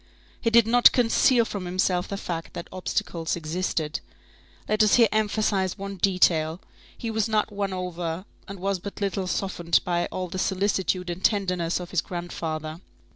He did not conceal from himself the fact that obstacles existed. Let us here emphasize one detail, he was not won over and was but little softened by all the solicitude and tenderness of his grandfather.